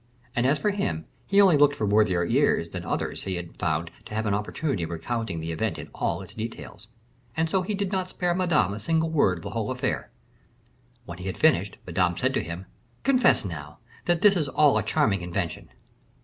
And as for him, he only looked for worthier ears than others he had found to have an opportunity of recounting the event in all its details. And so he did not spare Madame a single word of the whole affair. When he had finished, Madame said to him, "Confess, now, that is his all a charming invention."